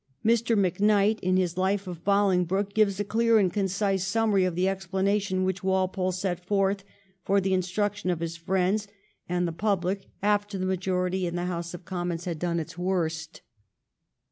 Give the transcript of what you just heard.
Mr. MacKnight, in his Life of Boling broke, gives a clear and concise summary of the explanation which Walpole set forth for the instruc tion of his friends and the public after the majority in the House of Commons had done its worst.